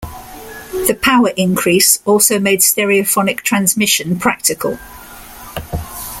The power increase also made stereophonic transmission practical.